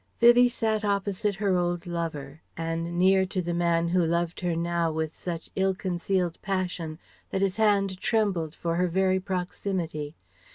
Vivie sat opposite her old lover, and near to the man who loved her now with such ill concealed passion that his hand trembled for her very proximity.